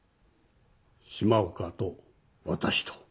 島岡と私と。